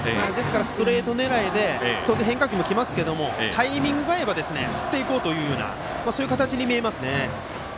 ストレート狙いで当然、変化球もきますけどタイミングが合えば振っていこうというようなそういう形に見えますね。